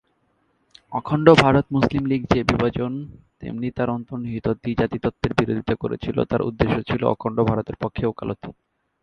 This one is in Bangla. অখণ্ড ভারত মুসলিম লীগ যে বিভাজন তেমনি তার অন্তর্নিহিত দ্বি-জাতি তত্ত্বের বিরোধিতা করেছিল, তার উদ্দেশ্য ছিল অখণ্ড ভারতের পক্ষে ওকালতি।